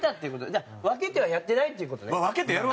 じゃあ分けてはやってないっていう事ね。